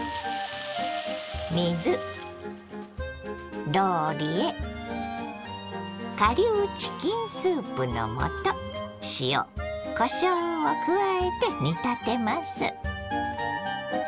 水ローリエ顆粒チキンスープの素塩こしょうを加えて煮立てます。